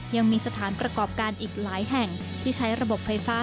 ยังมีสถานประกอบการอีกหลายแห่งที่ใช้ระบบไฟฟ้า